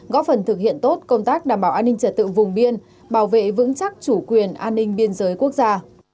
góp phần thực hiện tốt công tác đảm bảo an ninh trật tự vùng biên bảo vệ vững chắc chủ quyền an ninh biên giới quốc gia